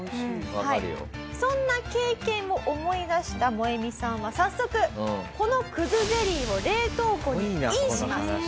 そんな経験を思い出したモエミさんは早速この葛ゼリーを冷凍庫にインします。